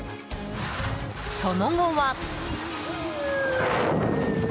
その後は。